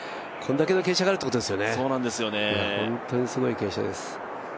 これだけの傾斜があるということですよね、本当にすごい傾斜です。